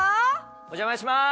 お邪魔します！